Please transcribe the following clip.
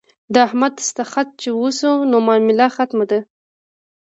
د احمد دستخط چې وشو نو معامله ختمه ده.